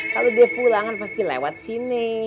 kalau dev ulangan pasti lewat sini